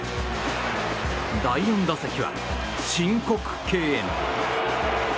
第４打席は申告敬遠。